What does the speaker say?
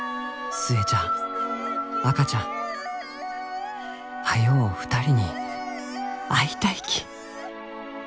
「寿恵ちゃん赤ちゃん早う２人に会いたいき」。